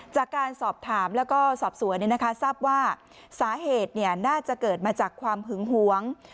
จากการสอบถามแล้วก็สอบสวนทราบว่าสาเหตุน่าจะเกิดมาจากความหึงหวง